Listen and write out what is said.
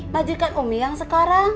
majikan umi yang sekarang